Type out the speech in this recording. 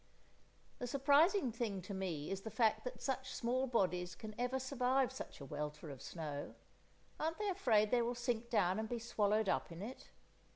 The surprising thing to me is the fact that such small bodies can ever survive such a welter of snow. Aren't they afraid they will sink down and be swallowed up in it?